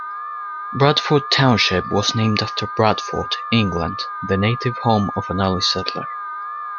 Bradford Township was named after Bradford, England, the native home of an early settler.